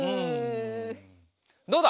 どうだ？